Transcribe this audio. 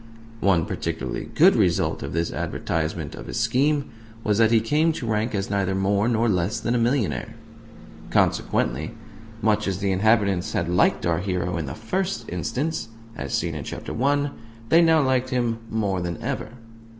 One particularly good result of this advertisement of his scheme was that he came to rank as neither more nor less than a millionaire. Consequently, much as the inhabitants had liked our hero in the first instance (as seen in Chapter I.), they now liked him more than ever.